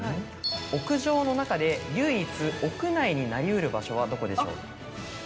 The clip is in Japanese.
屋上の中で唯一屋内になり得る場所はどこでしょう？